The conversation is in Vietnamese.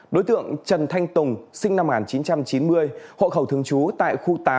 đối tượng trần thanh tùng sinh năm một nghìn chín trăm chín mươi hộ khẩu thường trú tại khu tám